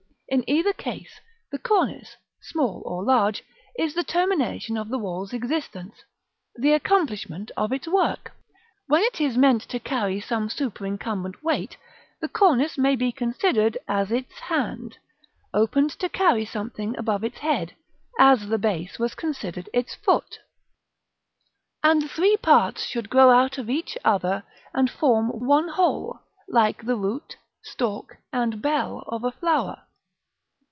In either case, the cornice, small or large, is the termination of the wall's existence, the accomplishment of its work. When it is meant to carry some superincumbent weight, the cornice may be considered as its hand, opened to carry something above its head; as the base was considered its foot: and the three parts should grow out of each other and form one whole, like the root, stalk, and bell of a flower.